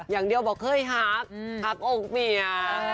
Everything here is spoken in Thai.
อย่างเดียวบอกเคยหักหักอกเมีย